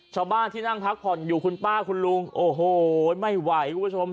ชาวบ้านที่นั่งพักผ่อนอยู่คุณป้าคุณลุงโอ้โหไม่ไหวคุณผู้ชม